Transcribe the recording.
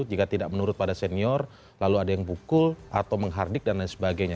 jika tidak menurut pada senior lalu ada yang bukul atau menghardik dan lain sebagainya